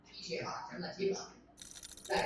古乳齿象是已灭绝的长鼻目。